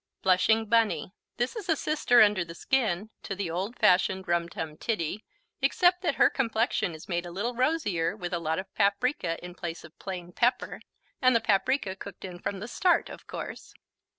Blushing Bunny This is a sister under the skin to the old fashioned Rum Tum Tiddy, except that her complexion is made a little rosier with a lot of paprika in place of plain pepper, and the paprika cooked in from the start, of course.